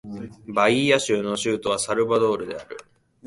バイーア州の州都はサルヴァドールである